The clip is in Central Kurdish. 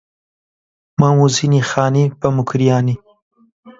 مەم و زینی خانی بە موکریانی